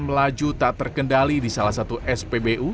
melaju tak terkendali di salah satu spbu